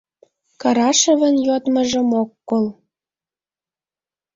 Карашовын йодмыжым ок кол.